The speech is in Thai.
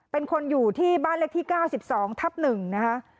เป็นคนอยู่ที่บ้านเลขที่๙๒ทับ๑นะคะ